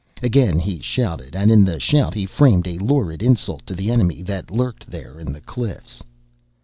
Again he shouted and in the shout he framed a lurid insult to the enemy that lurked there in the cliffs.